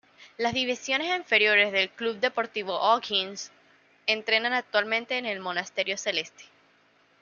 Las divisiones inferiores del Club Deportivo O'Higgins, entrenan actualmente en el Monasterio Celeste.